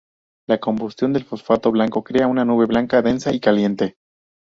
La combustión del fósforo blanco crea una nube blanca densa y caliente.